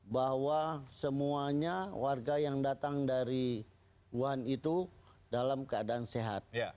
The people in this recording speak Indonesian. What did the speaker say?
bahwa semuanya warga yang datang dari wuhan itu dalam keadaan sehat